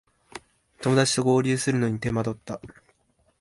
友だちと合流するのに手間取った